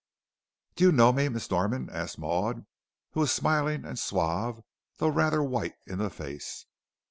"Do you know me, Miss Norman?" asked Maud, who was smiling and suave, though rather white in the face.